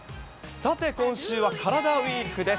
さて、今週はカラダＷＥＥＫです。